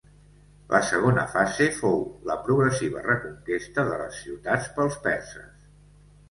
La segona fase fou la progressiva reconquesta de les ciutats pels perses.